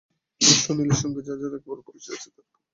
সুনীলের সঙ্গে যাঁর একবার পরিচয় হয়েছে, তাঁর পক্ষে তাঁকে ভোলা কঠিন।